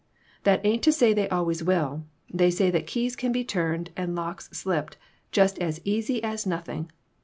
"That ain't to say they always will. They say that keys can be turned, and locks slipped just as easy as nothing.